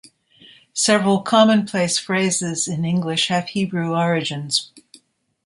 Several common-place phrases in English have Hebrew origins.